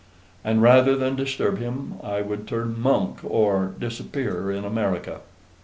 And rather than disturb him, I would turn monk, or disappear in America."